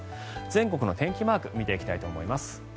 全国の天気マークを見ていきたいと思います。